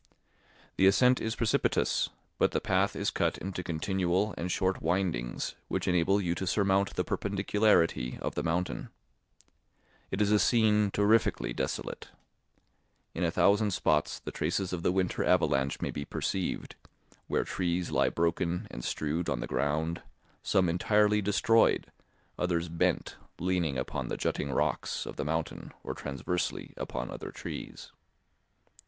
The ascent is precipitous, but the path is cut into continual and short windings, which enable you to surmount the perpendicularity of the mountain. It is a scene terrifically desolate. In a thousand spots the traces of the winter avalanche may be perceived, where trees lie broken and strewed on the ground, some entirely destroyed, others bent, leaning upon the jutting rocks of the mountain or transversely upon other trees.